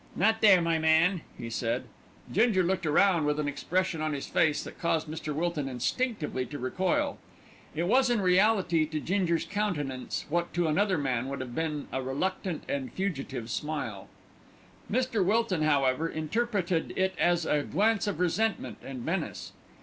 "Not there, my man," he said. Ginger looked around with an expression on his face that caused Mr. Wilton instinctively to recoil. It was in reality to Ginger's countenance what to another man would have been a reluctant and fugitive smile. Mr. Wilton, however, interpreted it as a glance of resentment and menace.